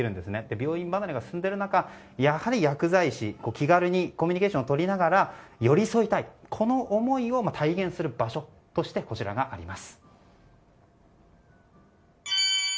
病院離れが進んでいる中薬剤師と気軽にコミュニケーションをとりながら寄り添いたいこういう思いを体現する場所としてこちらがあります。